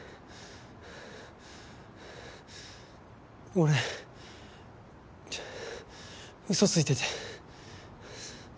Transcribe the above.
俺嘘ついてて。